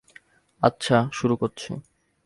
আচ্ছা, শুরু করছি।